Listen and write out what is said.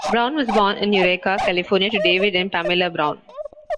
Brown was born in Eureka, California, to David and Pamela Brown.